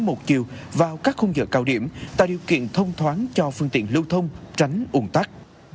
hướng tiêu vào các khung giờ cao điểm tại điều kiện thông thoáng cho phương tiện lưu thông tránh ung tắc